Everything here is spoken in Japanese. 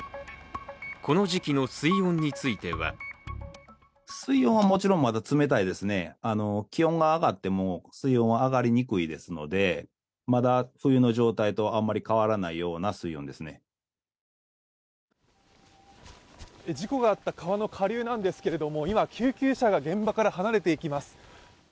この時期の水温については事故があった川の下流なんですけれども、今、救急車が現場から離れていきます。